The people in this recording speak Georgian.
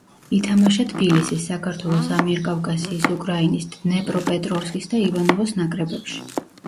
ითამაშა თბილისის, საქართველოს, ამიერკავკასიის, უკრაინის, დნეპროპეტროვსკის და ივანოვოს ნაკრებებში.